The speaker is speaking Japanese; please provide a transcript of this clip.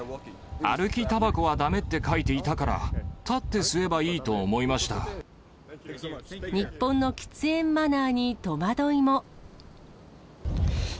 歩きたばこはだめって書いていたから、日本の喫煙マナーに戸惑いも。